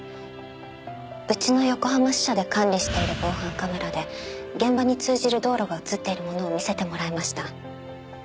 うちの横浜支社で管理している防犯カメラで現場に通じる道路が映っているものを見せてもらいました。